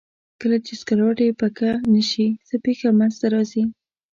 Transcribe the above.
کله چې سکروټې پکه نه شي څه پېښه منځ ته راځي؟